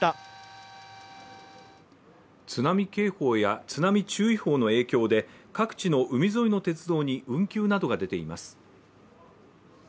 津波警報や津波注意報の影響で各地の海沿いの鉄道に運休などが出ています。